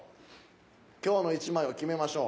今日の１枚を決めましょう。